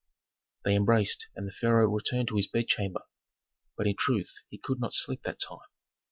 They embraced and the pharaoh returned to his bedchamber. But, in truth, he could not sleep that time.